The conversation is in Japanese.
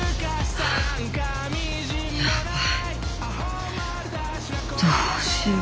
やばいどうしよう。